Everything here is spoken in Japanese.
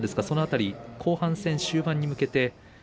その辺り、後半戦終盤に向けて。